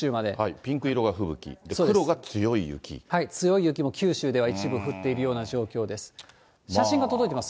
ピンク色が吹雪、強い雪も九州では一部、降っているような状況です。